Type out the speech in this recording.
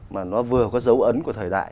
mà nó vừa có dấu ấn của thời đại